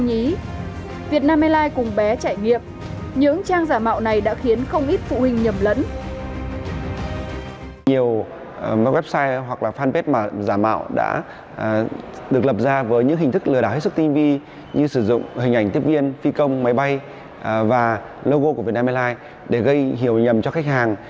nhiều website hoặc fanpage giả mạo đã được lập ra với những hình thức lừa đảo hết sức tiên vi như sử dụng hình ảnh tiếp viên phi công máy bay và logo của việt nam airlines để gây hiểu nhầm cho khách hàng